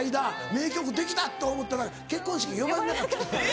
名曲できたと思ったら結婚式呼ばれなかった。